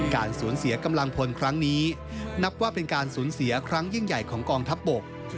การสูญเสียกำลังพลครั้งนี้นับว่าเป็นการสูญเสียครั้งยิ่งใหญ่ของกองทัพบก